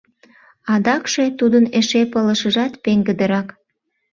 Адакше тудын эше пылышыжат пеҥгыдырак.